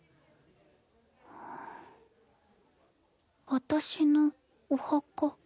私のお墓。